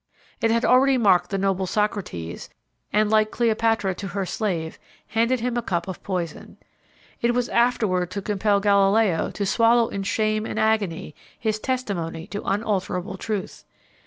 It had already marked the noble Socrates, and, like Cleopatra to her slave, handed him a cup of poison. It was afterward to compel Gallileo to swallow in shame and agony his testimony to unalterable truth.